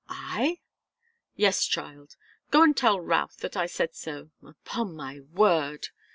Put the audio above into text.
"I?" "Yes, child. Go and tell Routh that I said so. Upon my word!"